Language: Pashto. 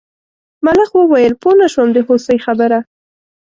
ملخ وویل پوه نه شوم د هوسۍ خبره.